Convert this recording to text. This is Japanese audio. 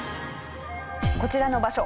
こちらの場所